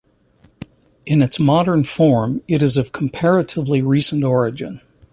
In its modern form it is of comparatively recent origin.